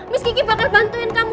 miski bakal bantuin kamu